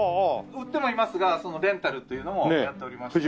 売ってもいますがレンタルっていうのもやっておりまして。